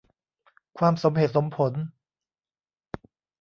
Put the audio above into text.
ความสมเหตุสมผล